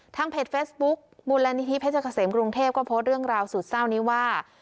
เพจเฟซบุ๊คมูลนิธิเพชรเกษมกรุงเทพก็โพสต์เรื่องราวสุดเศร้านี้ว่า